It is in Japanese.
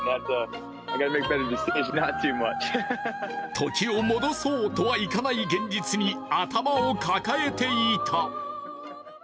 時を戻そうとはいかない現実に頭を抱えていた。